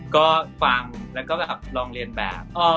ก็ฟังแล้วก็แบบลองเรียนแบบ